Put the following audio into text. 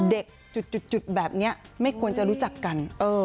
เด็กแบบเนี่ยไม่ควรจะรู้จักกัน